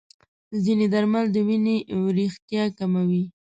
ځینې درمل د وینې وریښتیا کموي.